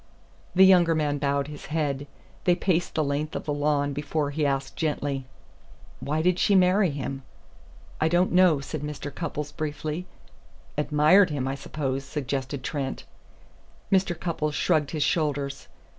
The younger man bowed his head. They paced the length of the lawn before he asked gently: "Why did she marry him?" "I don't know," said Mr. Cupples briefly. "Admired him, I suppose," suggested Trent. Mr. Cupples shrugged his shoulders.